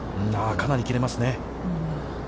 かなり切れますね。